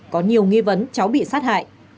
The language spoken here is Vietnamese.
có nhiều nghi vấn cháu bị sát hại